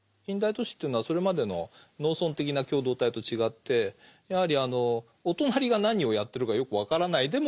近代都市というのはそれまでの農村的な共同体と違ってやはりあのお隣が何をやってるかよく分からない。